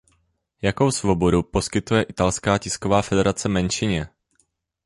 Jakou svobodu poskytuje italská tisková federace menšině?